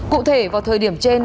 cụ thể vào thời điểm trên